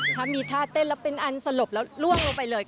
ถ้ามีท่าเต้นแล้วเป็นอันสลบแล้วล่วงลงไปเลย